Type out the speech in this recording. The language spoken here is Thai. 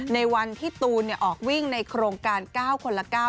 ในวันที่ตูนออกวิ่งในโครงการ๙คนละ๙